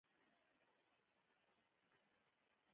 له الله نه خير او عافيت وغواړئ.